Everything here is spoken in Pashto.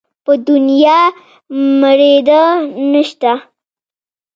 په دونيا مړېده نه شته.